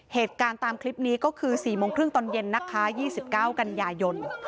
เหตุการณ์ตามคลิปนี้ก็คือ๔โมงครึ่งตอนเย็นนะคะ๒๙กันยายน